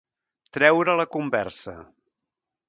Treure a la conversa.